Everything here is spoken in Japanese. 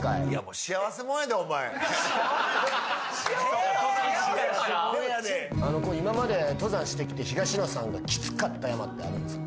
幸せもんやで今まで登山してきて東野さんがきつかった山ってあるんですか？